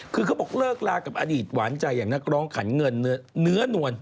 คือเขาบอกเลิกลากับอดีตหวานใจอย่างนักร้องขันเงินเนื้อนวล